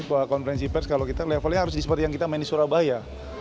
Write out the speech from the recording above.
jadi kalau kita levelnya harus seperti yang kita main di surabaya